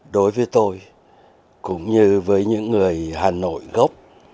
đối với tôi cũng như với những người hà nội gốc